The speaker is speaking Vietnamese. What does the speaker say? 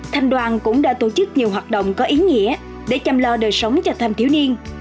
thành đoàn cũng đã tổ chức nhiều hoạt động có ý nghĩa để chăm lo đời sống cho thanh thiếu niên